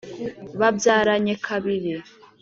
Babyaranye kabili